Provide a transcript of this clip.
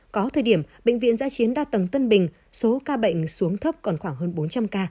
có thời điểm bệnh viện giã chiến đa tầng tân bình số ca bệnh xuống thấp còn khoảng hơn bốn trăm linh ca